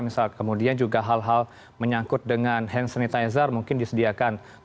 misal kemudian juga hal hal menyangkut dengan hand sanitizer mungkin disediakan